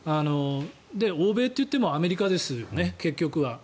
欧米といってもアメリカですよね結局は。